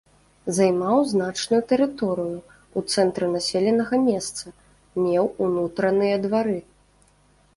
Займаў значную тэрыторыю ў цэнтры населенага месца, меў унутраныя двары.